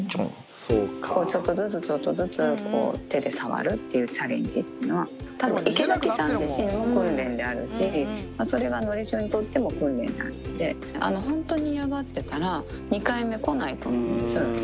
ちょっとずつ、ちょっとずつ、手で触るっていうチャレンジっていうのは、たぶん、池崎さん自身も訓練であるし、それはのりしおにとっても訓練なんで、本当に嫌がってたら、２回目来ないと思うんです。